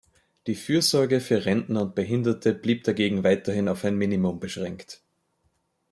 Die Fürsorge für Rentner und Behinderte blieb dagegen weiterhin auf ein Minimum beschränkt.